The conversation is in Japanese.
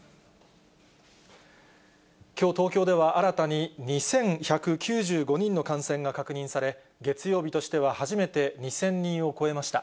きょう、東京では新たに２１９５人の感染が確認され、月曜日としては初めて２０００人を超えました。